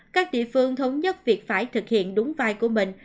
các địa phương thống nhất việc phải thực hiện đúng vai của mình